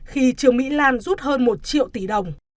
khi trương mỹ lan rút hơn một triệu tỷ đồng